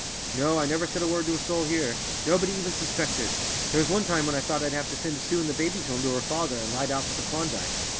No, I never said a word to a soul here; nobody even suspected. There was one time when I thought I'd have to send Sue and the babies home to her father, and light out for the Klondike."